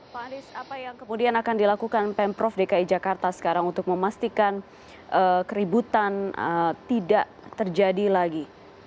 pak anies apa yang kemudian akan dilakukan pemprov dki jakarta sekarang untuk memastikan keributan tidak terjadi lagi